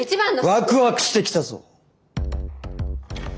ワクワクしてきたぞ！